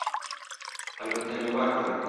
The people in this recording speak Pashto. خلکو ته مې ورکړل.